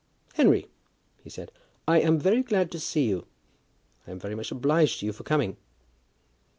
"Henry," he said, "I am very glad to see you. I am very much obliged to you for coming."